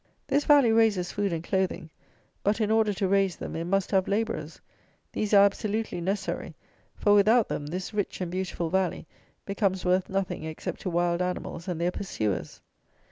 This Valley raises food and clothing; but, in order to raise them, it must have labourers. These are absolutely necessary; for without them this rich and beautiful Valley becomes worth nothing except to wild animals and their pursuers.